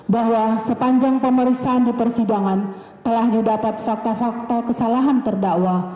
bahwa sepanjang pemeriksaan di persidangan telah didapat fakta fakta kesalahan terdakwa